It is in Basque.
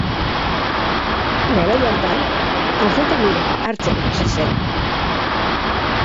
Garai hartan, anfetaminak hartzen hasi zen.